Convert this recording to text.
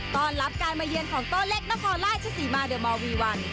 ตอนรับการมาเยือนของโต้เล็กนครราชศรีมาเดอร์มอลวีวัน